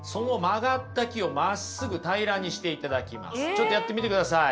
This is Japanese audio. ちょっとやってみてください。